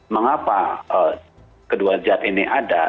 mengapa kedua zat ini ada